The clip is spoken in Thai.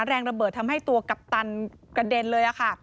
แรงระเบิดทำให้ตัวกัปตันกระเด็นเลยค่ะ